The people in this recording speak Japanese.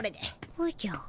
おじゃ。